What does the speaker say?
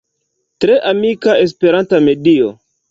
Tre amika Esperanta medio.